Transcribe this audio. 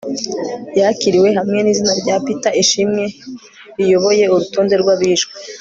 yakiriwe, hamwe n'izina rya peter ishimwe riyoboye urutonde rw abishwe